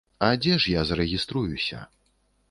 А дзе ж я зарэгіструюся?